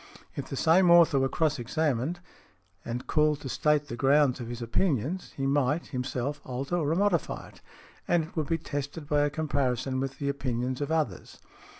If the same author were cross examined, and |102| called to state the grounds of his opinions, he might, himself, alter or modify it, and it would be tested by a comparison with the opinions of others.